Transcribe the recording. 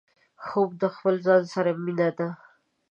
خوب د خپل ځان سره مينه ده